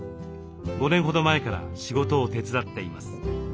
５年ほど前から仕事を手伝っています。